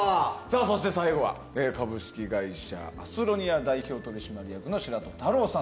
そして最後は株式会社アスロニアの代表取締役白戸太朗さん。